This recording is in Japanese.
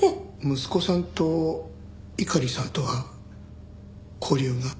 息子さんと猪狩さんとは交流が？